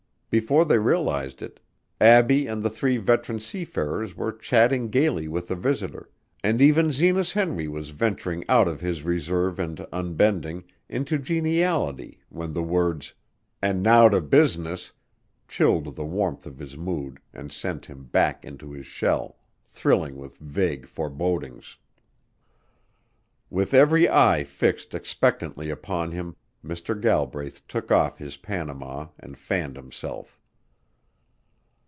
Before they realized it, Abbie and the three veteran seafarers were chatting gaily with the visitor, and even Zenas Henry was venturing out of his reserve and unbending into geniality when the words "and now to business" chilled the warmth of his mood and sent him back into his shell, thrilling with vague forebodings. With every eye fixed expectantly upon him, Mr. Galbraith took off his Panama and fanned himself.